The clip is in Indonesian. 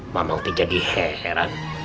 mamang teh jadi heran